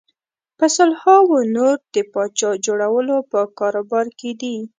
په سلهاوو نور د پاچا جوړولو په کاروبار کې دي.